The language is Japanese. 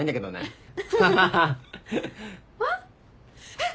えっ！